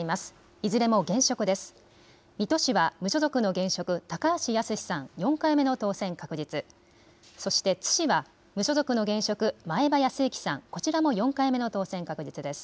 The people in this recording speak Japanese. いずれも現職です。